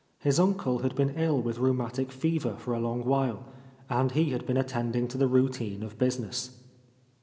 His uncle had been ill with rheumatic fever for a long while, and he had been attending to the routine of busi ness.